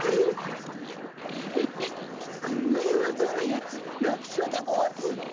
こころのこえヘヘヘこんなよわそうなやつらくしょうでごわす！